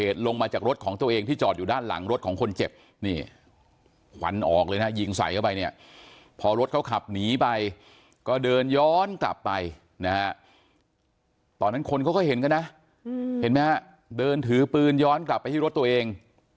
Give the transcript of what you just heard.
ตอนนั้นคนเขาก็เห็นกันนะเห็นไหมฮะเดินถือปืนย้อนกลับไปที่รถตัวเอง